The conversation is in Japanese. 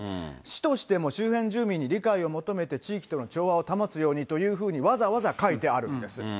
市としても周辺住民に理解を求めて、地域との調和を保つようにと、わざわざ書いてあるんです。